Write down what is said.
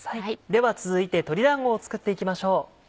では続いて鶏だんごを作っていきましょう。